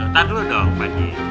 tadul dong pak haji